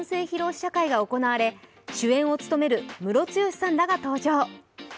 試写会が行われ、主演を務めるムロツヨシさんらが登場。